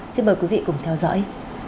xin mời quý vị cùng theo dõi